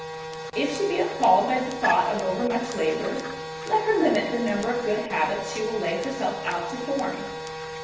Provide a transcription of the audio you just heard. If she be appalled by the thought of overmuch labour, let her limit the number of good habits she will lay herself out to form.